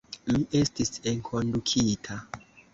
Mi estis enkondukita.